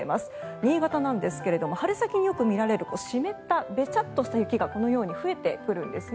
新潟なんですが春先によく見られるしめった、べちゃったとした雪がこのように増えてくるんですね。